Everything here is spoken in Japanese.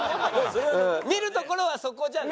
見るところはそこじゃない。